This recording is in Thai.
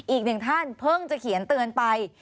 อีกหนึ่งท่านเพิ่งจะเขียนเตือนไป